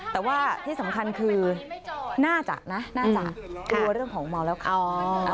แต่ว่าที่สำคัญคือน่าจะนะน่าจะกลัวเรื่องของเมาแล้วขับ